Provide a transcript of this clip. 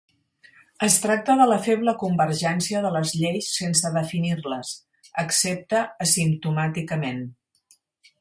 Es tracta de la "feble convergència de les lleis sense definir-les" - excepte asimptòticament.